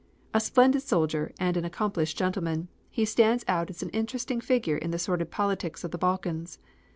A splendid soldier and an accomplished gentleman, he stands out as an interesting figure in the sordid politics of the Balkans.